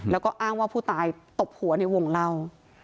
แล้วก็อ้างว่าผู้ตายตบหัวในวงเล่า